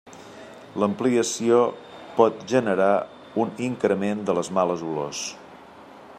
L'ampliació pot generar un increment de les males olors.